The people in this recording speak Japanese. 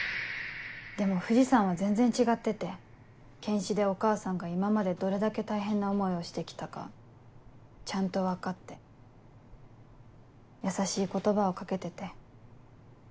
でも藤さんは全然違ってて検視でお母さんが今までどれだけ大変な思いをして来たかちゃんと分かって優しい言葉を掛けてて。